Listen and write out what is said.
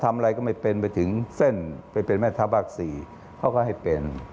ทำอะไรก็ไม่เป็นไปถึงเส้นไปเป็นแม่ทัพภาคสี่เขาก็ให้เป็น